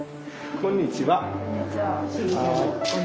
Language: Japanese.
こんにちは。